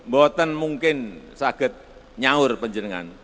boten mungkin saget nyaur penjenggan